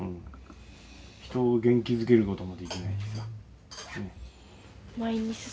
人を元気づけることもできないしさ。